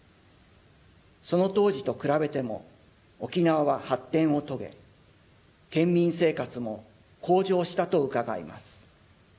その当時と比べても沖縄は発展を遂げ県民生活も向上したとうかがいます。